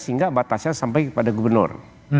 sehingga batasnya sampai kepada gubernur